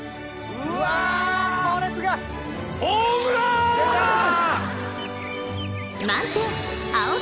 うわこれすごい！出た！